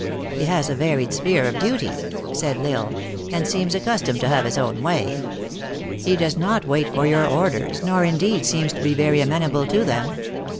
" He has a varied sphere of duty," said L Isle, " and seems accustomed to have his own way. He does not wait for your orders, nor, indeed, seems to be very amenable to them.